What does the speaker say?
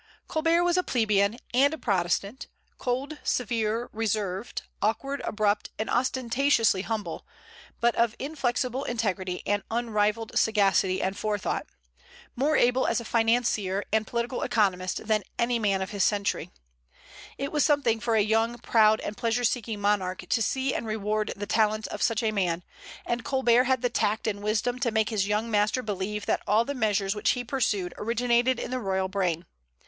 Colbert was a plebeian and a Protestant, cold, severe, reserved, awkward, abrupt, and ostentatiously humble, but of inflexible integrity and unrivalled sagacity and forethought; more able as a financier and political economist than any man of his century. It was something for a young, proud, and pleasure seeking monarch to see and reward the talents of such a man; and Colbert had the tact and wisdom to make his young master believe that all the measures which he pursued originated in the royal brain.